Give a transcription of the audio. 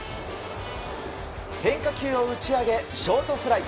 変化球を打ち上げショートフライ。